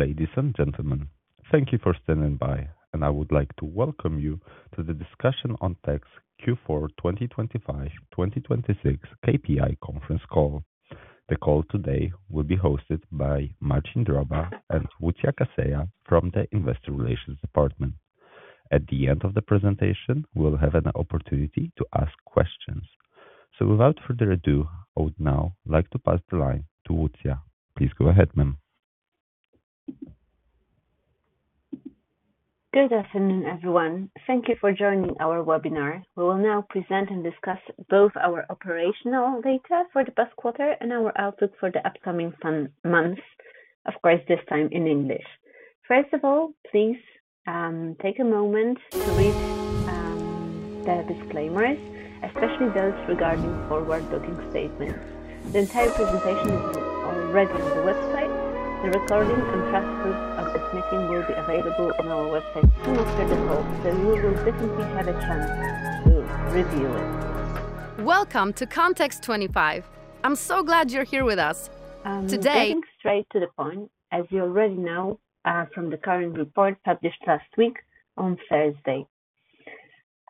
Ladies and gentlemen, thank you for standing by, and I would like to welcome you to the discussion on Text's Q4 2025-2026 KPI conference call. The call today will be hosted by Marcin Droba and Łucja Kaseja from the Investor Relations Department. At the end of the presentation, we'll have an opportunity to ask questions. Without further ado, I would now like to pass the line to Łucja. Please go ahead, ma'am. Good afternoon, everyone. Thank you for joining our webinar. We will now present and discuss both our operational data for the past quarter and our outlook for the upcoming months, of course, this time in English. First of all, please take a moment to read the disclaimers, especially those regarding forward-looking statements. The entire presentation is already on the website. The recording and transcript of this meeting will be available on our website soon after the call, so you will definitely have a chance to review it. Getting straight to the point, as you already know from the current report published last week on Thursday.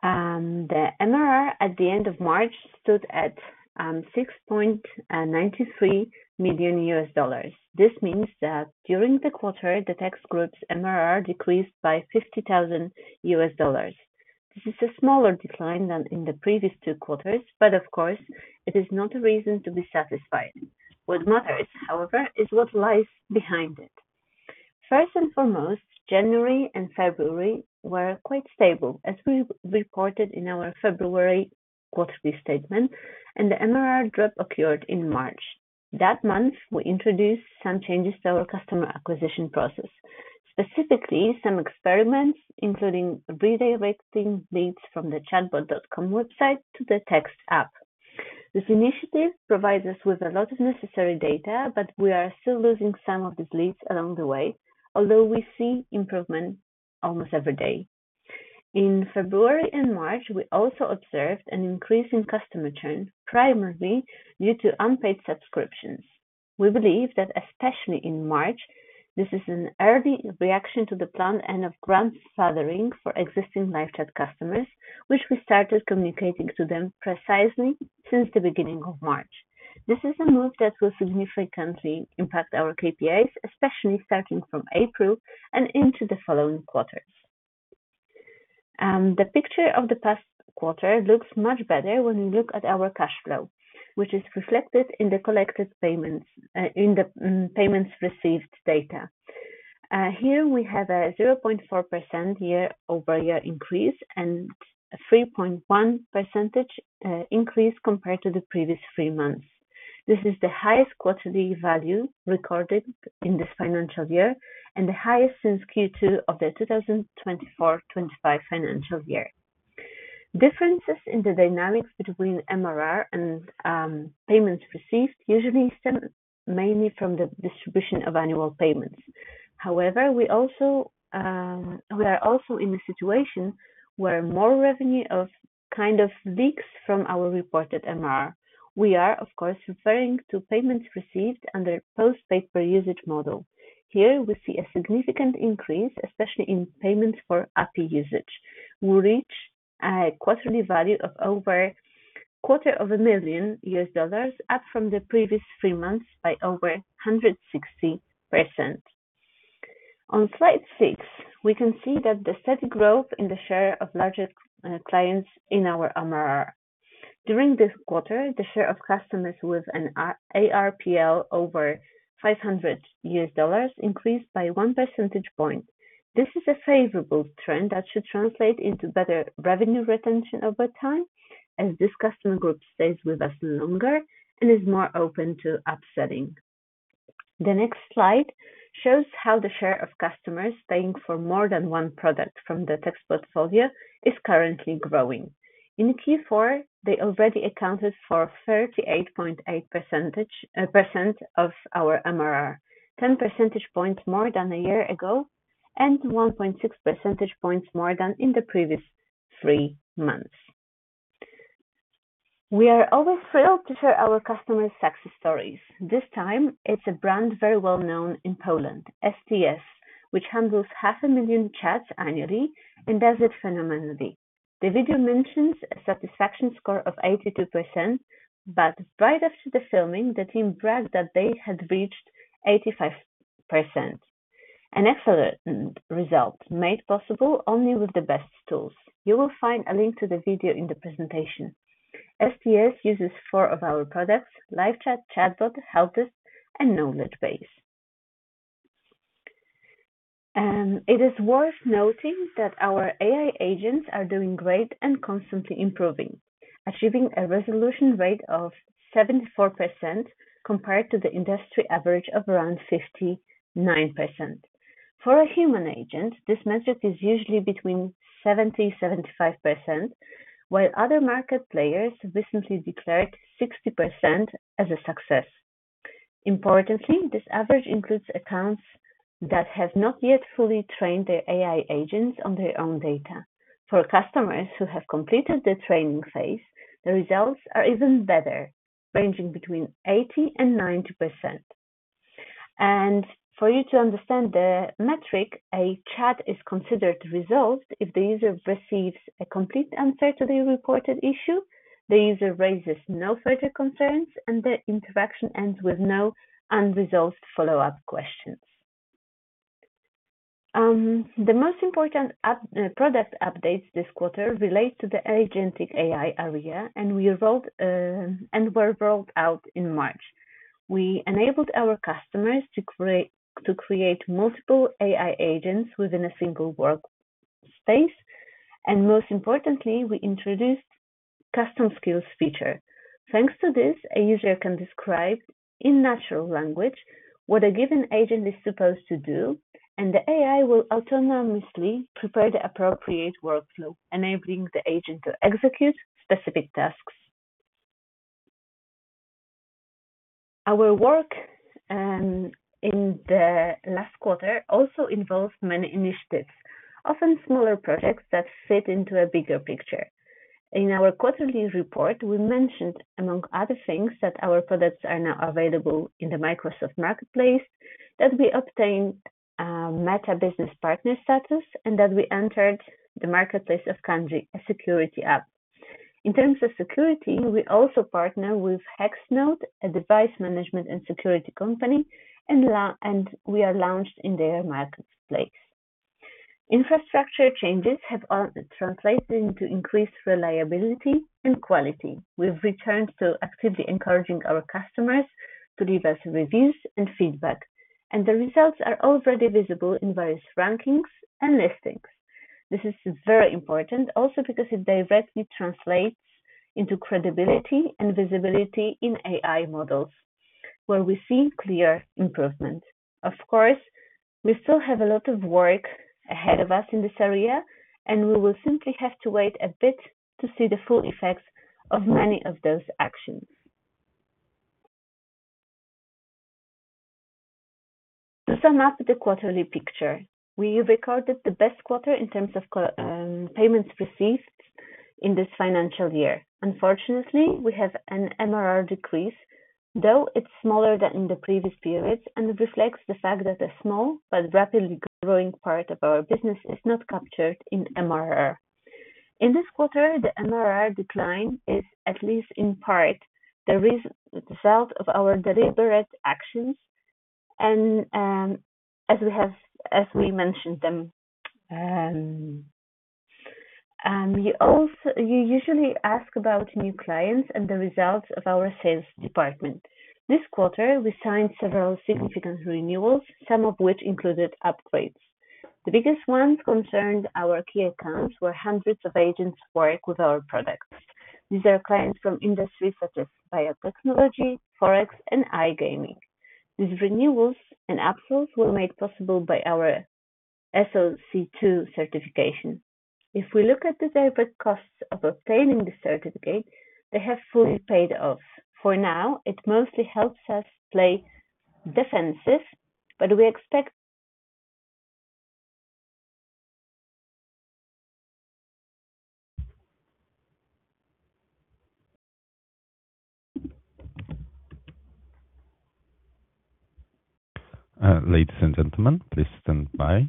The MRR at the end of March stood at $6.93 million. This means that during the quarter, the Text group's MRR decreased by $50,000. This is a smaller decline than in the previous two quarters, but of course, it is not a reason to be satisfied. What matters, however, is what lies behind it. First and foremost, January and February were quite stable, as we reported in our February quarterly statement, and the MRR drop occurred in March. That month, we introduced some changes to our customer acquisition process, specifically some experiments including redirecting leads from the [chat.com] website to the Text App. This initiative provides us with a lot of necessary data, but we are still losing some of these leads along the way, although we see improvement almost every day. In February and March, we also observed an increase in customer churn, primarily due to unpaid subscriptions. We believe that, especially in March, this is an early reaction to the planned end of grandfathering for existing LiveChat customers, which we started communicating to them precisely since the beginning of March. This is a move that will significantly impact our KPIs, especially starting from April and into the following quarters. The picture of the past quarter looks much better when we look at our cash flow, which is reflected in the payments received data. Here we have a 0.4% year-over-year increase and a 3.1% increase compared to the previous three months. This is the highest quarterly value recorded in this financial year and the highest since Q2 of the 2024-2025 financial year. Differences in the dynamics between MRR and payments received usually stem mainly from the distribution of annual payments. However, we are also in a situation where more revenue kind of leaks from our reported MRR. We are, of course, referring to payments received under post-pay-per-usage model. Here we see a significant increase, especially in payments for API usage. We reached a quarterly value of over a quarter of a million dollars, up from the previous three months by over 160%. On slide six, we can see the steady growth in the share of larger clients in our MRR. During this quarter, the share of customers with an ARPL over $500 increased by one percentage point. This is a favorable trend that should translate into better revenue retention over time, as this customer group stays with us longer and is more open to upselling. The next slide shows how the share of customers paying for more than one product from the Text portfolio is currently growing. In Q4, they already accounted for 38.8% of our MRR, 10 percentage points more than a year ago, and 1.6 percentage points more than in the previous three months. We are always thrilled to share our customers' success stories. This time, it's a brand very well known in Poland, STS, which handles 500,000 chats annually and does it phenomenally. The video mentions a satisfaction score of 82%, but right after the filming, the team bragged that they had reached 85%. An excellent result made possible only with the best tools. You will find a link to the video in the presentation. STS uses four of our products: LiveChat, ChatBot, HelpDesk and KnowledgeBase. It is worth noting that our AI agents are doing great and constantly improving, achieving a resolution rate of 74% compared to the industry average of around 59%. For a human agent, this metric is usually between 70%-75%, while other market players recently declared 60% as a success. Importantly, this average includes accounts that have not yet fully trained their AI agents on their own data. For customers who have completed the training phase, the results are even better, ranging between 80%-90%. For you to understand the metric, a chat is considered resolved if the user receives a complete answer to the reported issue, the user raises no further concerns, and the interaction ends with no unresolved follow-up questions. The most important product updates this quarter relate to the agentic AI area, and were rolled out in March. We enabled our customers to create multiple AI agents within a single workspace, and most importantly, we introduced custom skills feature. Thanks to this, a user can describe in natural language what a given agent is supposed to do, and the AI will autonomously prepare the appropriate workflow, enabling the agent to execute specific tasks. Our work in the last quarter also involved many initiatives, often smaller projects that fit into a bigger picture. In our quarterly report, we mentioned, among other things, that our products are now available in the Microsoft marketplace, that we obtained Meta business partner status, and that we entered the marketplace of Kandji, a security app. In terms of security, we also partner with Hexnode, a device management and security company, and we are launched in their marketplace. Infrastructure changes have translated into increased reliability and quality. We've returned to actively encouraging our customers to leave us reviews and feedback, and the results are already visible in various rankings and listings. This is very important also because it directly translates into credibility and visibility in AI models, where we see clear improvement. Of course, we still have a lot of work ahead of us in this area, and we will simply have to wait a bit to see the full effects of many of those actions. To sum up the quarterly picture, we recorded the best quarter in terms of payments received in this financial year. Unfortunately, we have an MRR decrease, though it's smaller than in the previous periods, and it reflects the fact that a small but rapidly growing part of our business is not captured in MRR. In this quarter, the MRR decline is, at least in part, the result of our deliberate actions, and as we mentioned them. You usually ask about new clients and the results of our sales department. This quarter, we signed several significant renewals, some of which included upgrades. The biggest ones concerned our key accounts, where hundreds of agents work with our products. These are clients from industries such as biotechnology, Forex, and iGaming. These renewals and upsells were made possible by our SLC 2 Certification. If we look at the direct costs of obtaining the certificate, they have fully paid off. For now, it mostly helps us play defense, but we expect. Ladies and gentlemen, please stand by.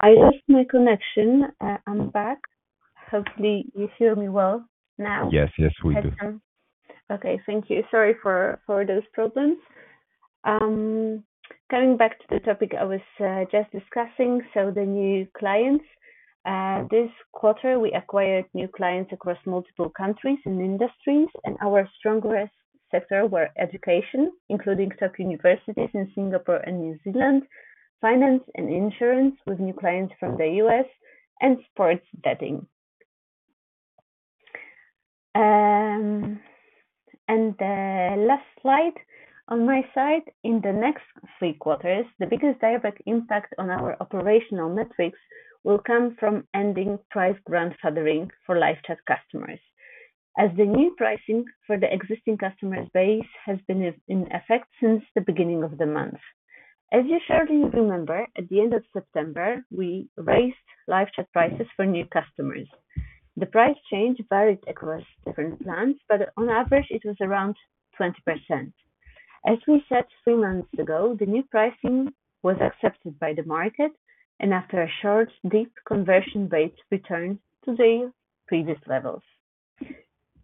I lost my connection. I'm back. Hopefully, you hear me well now. Yes, yes, we do. Okay. Thank you. Sorry for those problems. Coming back to the topic I was just discussing, the new clients. This quarter, we acquired new clients across multiple countries and industries, and our strongest sector were education, including top universities in Singapore and New Zealand, finance and insurance with new clients from the U.S., and sports betting. The last slide on my side. In the next three quarters, the biggest direct impact on our operational metrics will come from ending price grandfathering for LiveChat customers, as the new pricing for the existing customer base has been in effect since the beginning of the month. As you surely remember, at the end of September, we raised LiveChat prices for new customers. The price change varied across different plans, but on average, it was around 20%. As we said three months ago, the new pricing was accepted by the market, and after a short dip, conversion rates returned to their previous levels.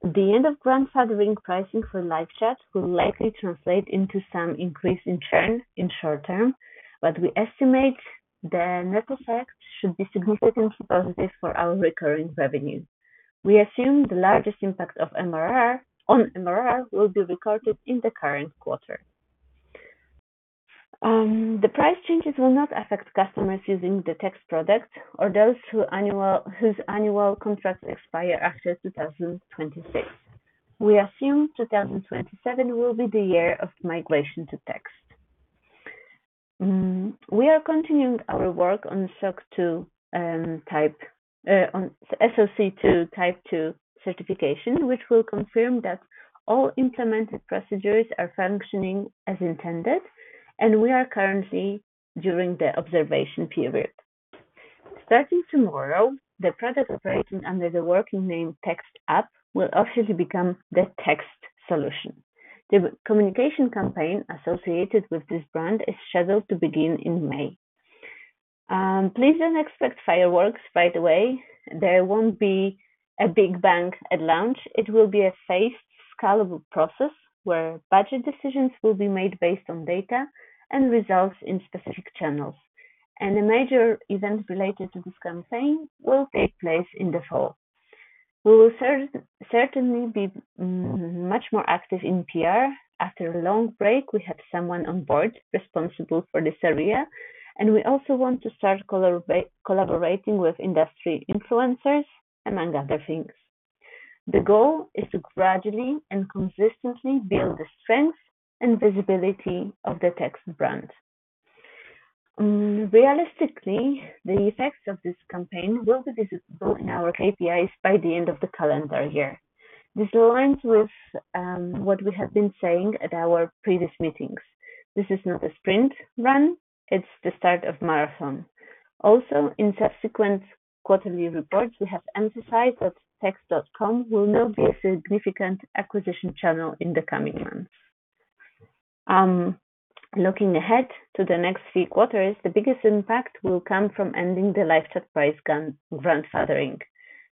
The end of grandfathering pricing for live chat will likely translate into some increase in churn in short term, but we estimate the net effect should be significantly positive for our recurring revenue. We assume the largest impact on MRR will be recorded in the current quarter. The price changes will not affect customers using the text product or those whose annual contracts expire after 2026. We assume 2027 will be the year of migration to text. We are continuing our work on SOC 2 Type 2 Certification, which will confirm that all implemented procedures are functioning as intended, and we are currently during the observation period. Starting tomorrow, the product operating under the working name Text App will officially become the Text solution. The communication campaign associated with this brand is scheduled to begin in May. Please don't expect fireworks, by the way. There won't be a big bang at launch. It will be a phased, scalable process where budget decisions will be made based on data and results in specific channels. A major event related to this campaign will take place in the fall. We will certainly be much more active in PR. After a long break, we have someone on board responsible for this area, and we also want to start collaborating with industry influencers, among other things. The goal is to gradually and consistently build the strength and visibility of the Text brand. Realistically, the effects of this campaign will be visible in our KPIs by the end of the calendar year. This aligns with what we have been saying at our previous meetings. This is not a sprint, it's the start of a marathon. In subsequent quarterly reports, we have emphasized that text.com will now be a significant acquisition channel in the coming months. Looking ahead to the next few quarters, the biggest impact will come from ending the LiveChat price grandfathering.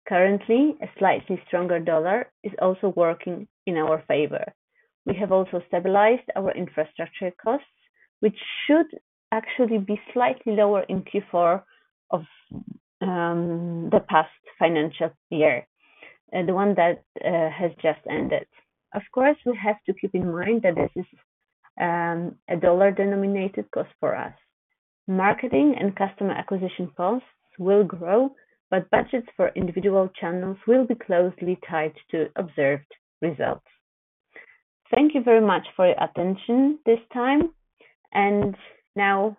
Currently, a slightly stronger dollar is also working in our favor. We have also stabilized our infrastructure costs, which should actually be slightly lower in Q4 of the past financial year, the one that has just ended. Of course, we have to keep in mind that this is a dollar-denominated cost for us. Marketing and customer acquisition costs will grow, but budgets for individual channels will be closely tied to observed results. Thank you very much for your attention this time, and now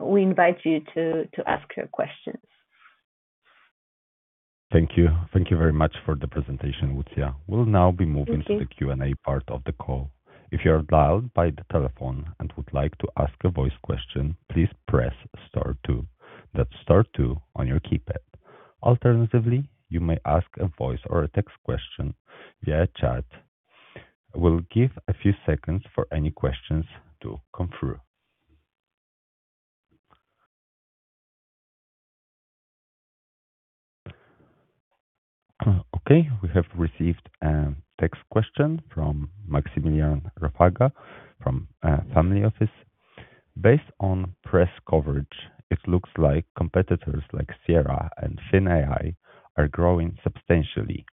we invite you to ask your questions. Thank you. Thank you very much for the presentation, Łucja. We'll now be moving to the Q&A part of the call. If you're dialed by the telephone and would like to ask a voice question, please press star two. That's star two on your keypad. Alternatively, you may ask a voice or a text question via chat. We'll give a few seconds for any questions to come through. Okay. We have received a text question from Maksymilian Ratajczak from Family Office. Based on press coverage, it looks like competitors like Sierra and Fin AI are growing substantially.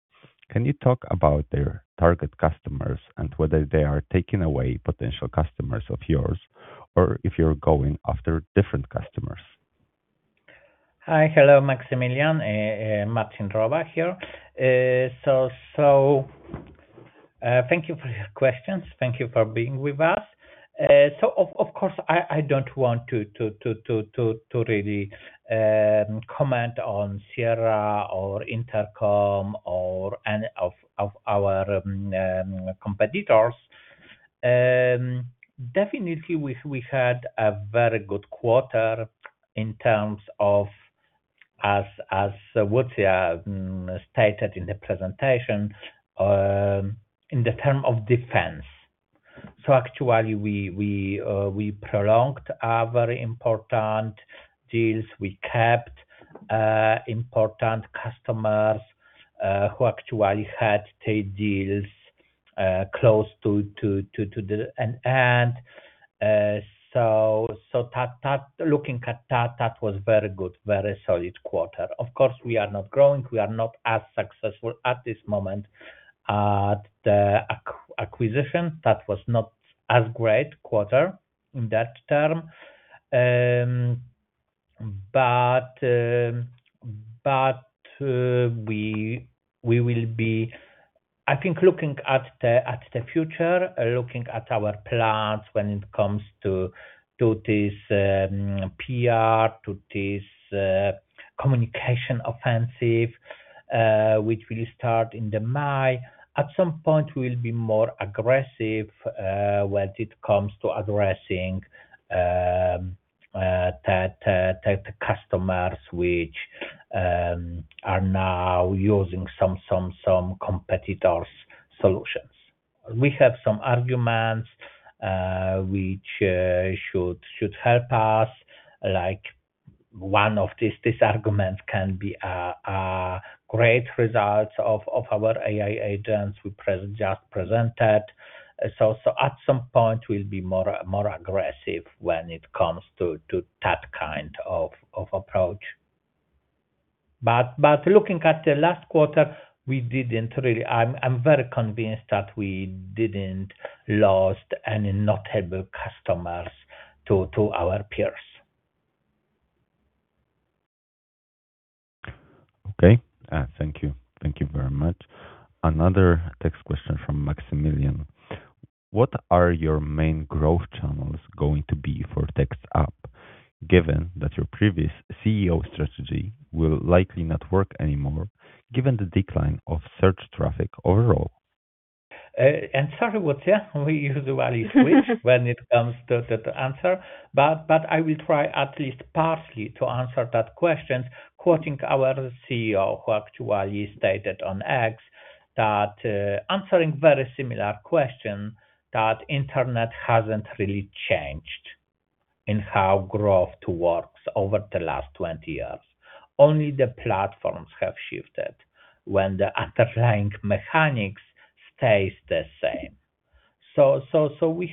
Can you talk about their target customers and whether they are taking away potential customers of yours, or if you're going after different customers? Hi. Hello, Maksymilian. Marcin Droba here. Thank you for your questions. Thank you for being with us. Of course, I don't want to really comment on Sierra or Intercom or any of our competitors. Definitely, we had a very good quarter, as Łucja stated in the presentation, in terms of defense. Actually, we prolonged our very important deals. We kept important customers, who actually had their deals close to the end. Tap Tap Looking at Tap Tap at that was very good, very solid quarter. Of course, we are not growing. We are not as successful at this moment at the acquisition. That was not as great quarter in that terms. We will be, I think, looking at the future, looking at our plans when it comes to this PR, to this communication offensive, which will start in May. At some point, we'll be more aggressive, when it comes to addressing the customers which are now using some competitors' solutions. We have some arguments, which should help us. One of these arguments can be great results of our AI agents we just presented. At some point, we'll be more aggressive when it comes to that kind of approach. Looking at the last quarter, I'm very convinced that we didn't lose any notable customers to our peers. Okay. Thank you. Thank you very much. Another text question from Maksymilian. What are your main growth channels going to be for Text App, given that your previous CEO strategy will likely not work anymore given the decline of search traffic overall? Sorry, Łucja, we usually switch when it comes to the answer, but I will try at least partially to answer that question, quoting our CEO, who actually stated on X, answering very similar question, that internet hasn't really changed in how growth works over the last 20 years. Only the platforms have shifted when the underlying mechanics stays the same. We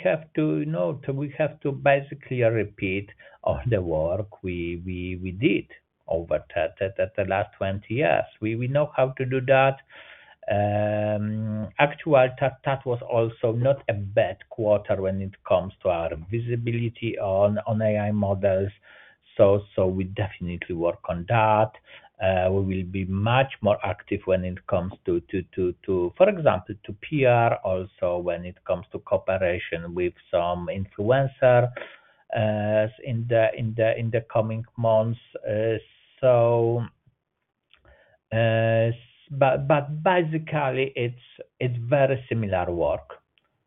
have to basically repeat all the work we did over the last 20 years. We know how to do that. Actually, Tap Tap was also not a bad quarter when it comes to our visibility on AI models, so we definitely work on that. We will be much more active when it comes to, for example, to PR, also when it comes to cooperation with some influencer in the coming months. Basically, it's very similar work,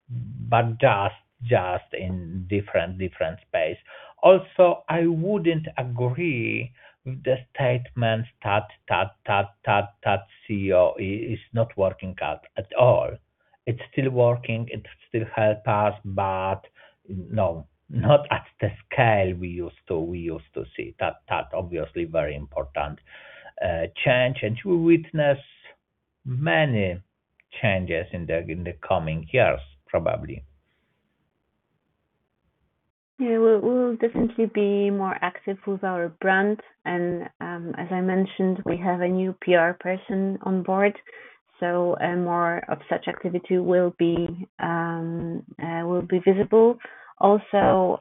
but just in different space. Also, I wouldn't agree with the statement that Tap Tap CEO is not working at all. It's still working, it still help us, but no, not at the scale we used to see. Tap Tap obviously very important change, and we witness many changes in the coming years, probably. Yeah, we'll definitely be more active with our brand and, as I mentioned, we have a new PR person on board, so more of such activity will be visible. Also,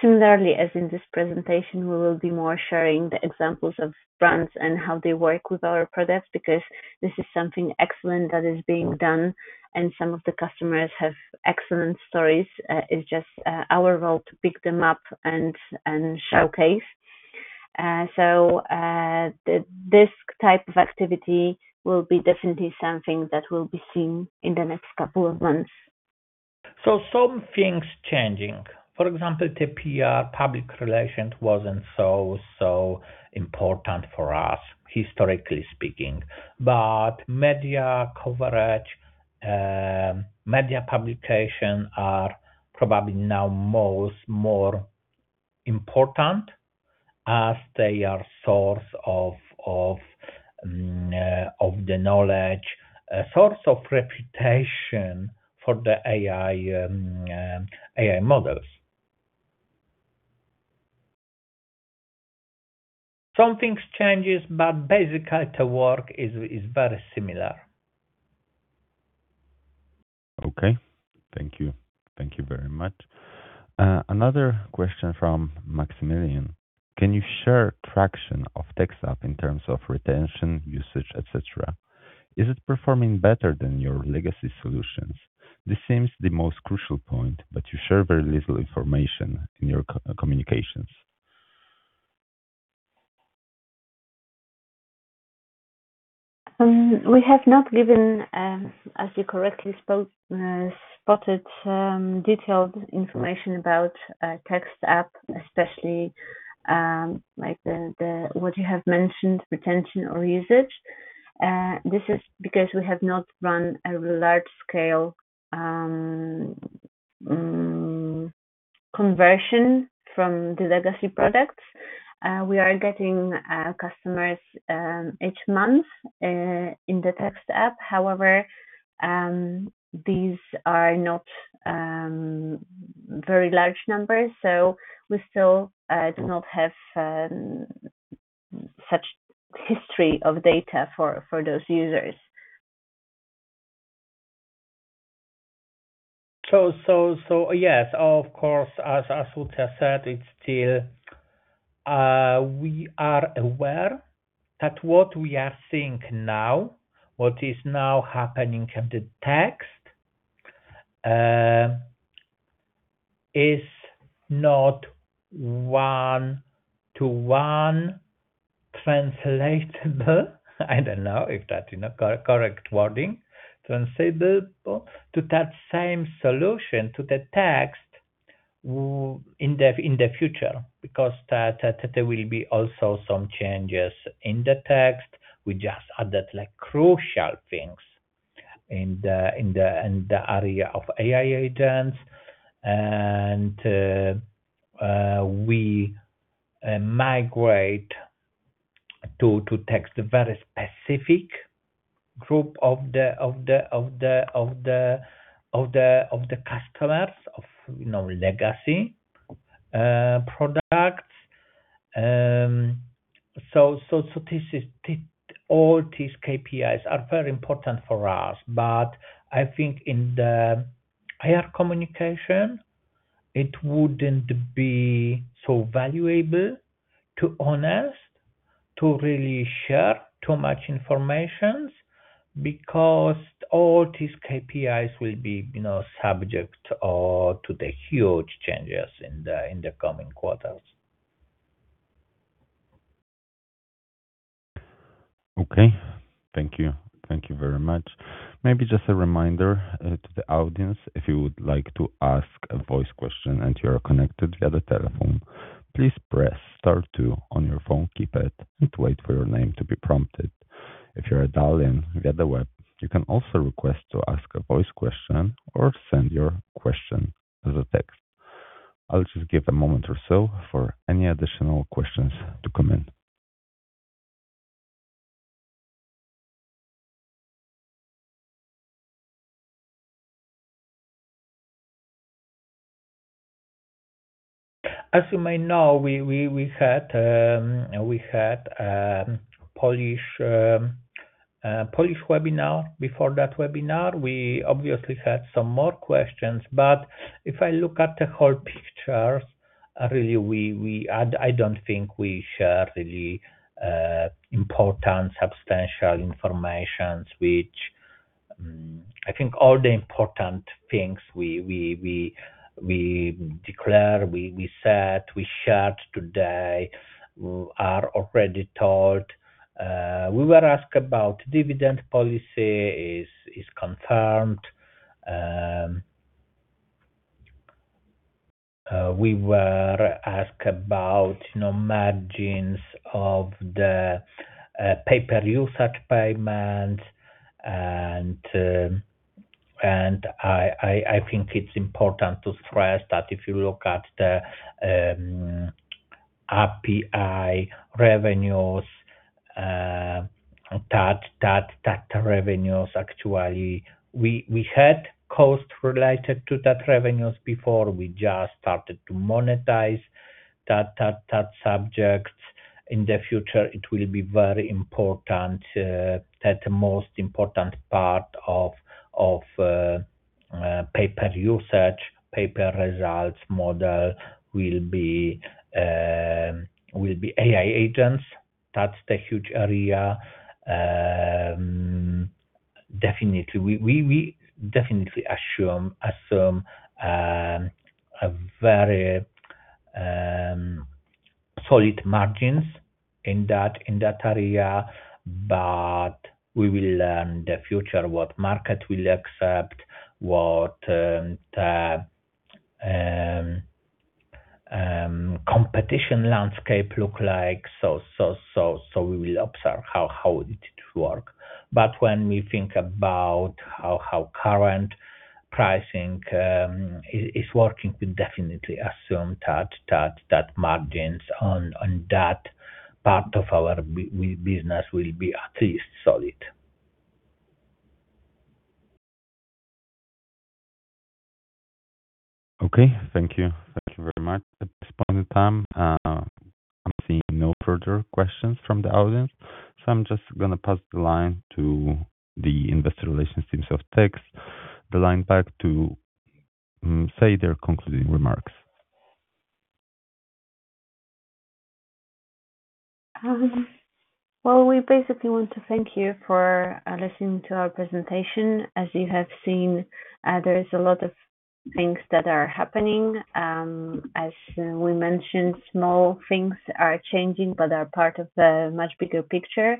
similarly as in this presentation, we will be more sharing the examples of brands and how they work with our products, because this is something excellent that is being done, and some of the customers have excellent stories. It's just our role to pick them up and showcase. This type of activity will be definitely something that will be seen in the next couple of months. Some things changing. For example, the PR, public relations wasn't so important for us, historically speaking. Media coverage, media publication are probably now more important as they are source of the knowledge, a source of reputation for the AI models. Some things changes, but basically the work is very similar. Okay. Thank you. Thank you very much. Another question from Maksymilian. Can you share traction of Text App in terms of retention, usage, et cetera? Is it performing better than your legacy solutions? This seems the most crucial point, but you share very little information in your communications. We have not given, as you correctly spotted, detailed information about Text App, especially what you have mentioned, retention or usage. This is because we have not run a large-scale conversion from the legacy products. We are getting customers each month in the Text App. However, these are not very large numbers, so we still do not have such history of data for those users. Yes, of course, as Łucja said, we are aware that what we are seeing now, what is now happening in Text, is not one-to-one translatable. I don't know if that's the correct wording, translatable to that same solution to Text in the future, because there will be also some changes in Text. We just added crucial things in the area of AI agents, and we migrate to Text a very specific group of the customers of legacy products. All these KPIs are very important for us, but I think in the IR communication, it wouldn't be so valuable, to be honest, to really share too much information, because all these KPIs will be subject to the huge changes in the coming quarters. Okay. Thank you. Thank you very much. Maybe just a reminder to the audience, if you would like to ask a voice question and you are connected via the telephone, please press star two on your phone keypad and wait for your name to be prompted. If you are dialing via the web, you can also request to ask a voice question or send your question as a text. I'll just give a moment or so for any additional questions to come in. As you may know, we had Polish webinar. Before that webinar, we obviously had some more questions, but if I look at the whole picture, really, I don't think we share really important, substantial informations. I think all the important things we declare, we said, we shared today are already told. We were asked about dividend policy, is confirmed. We were asked about margins of the pay-per-usage payment. I think it's important to stress that if you look at the API revenues, that revenues, actually, we had cost related to that revenues before. We just started to monetize that subject. In the future, it will be very important. The most important part of pay-per-usage, pay-per-results model will be AI agents. That's the huge area. Definitely, we assume a very solid margins in that area. We will learn the future, what market will accept, what competition landscape look like. We will observe how it work. When we think about how current pricing is working, we definitely assume that margins on that part of our business will be at least solid. Okay. Thank you. Thank you very much. At this point in time, I'm seeing no further questions from the audience, so I'm just going to pass the line to the Investor Relations teams of Text, the line back to say their concluding remarks. Well, we basically want to thank you for listening to our presentation. As you have seen, there is a lot of things that are happening. As we mentioned, small things are changing, but are part of a much bigger picture.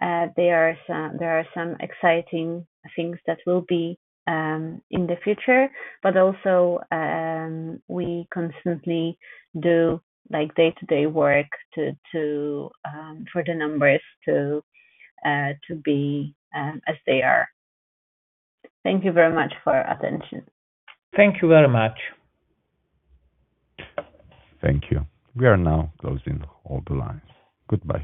There are some exciting things that will be in the future, but also, we constantly do day-to-day work for the numbers to be as they are. Thank you very much for your attention. Thank you very much. Thank you. We are now closing all the lines. Goodbye.